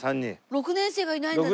６年生がいないんだね。